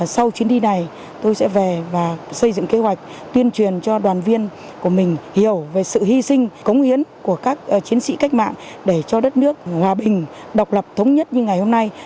sau chuyến đi này tôi sẽ về và xây dựng kế hoạch tuyên truyền cho đoàn viên của mình hiểu về sự hy sinh cống hiến của các chiến sĩ cách mạng để cho đất nước hòa bình độc lập thống nhất như ngày hôm nay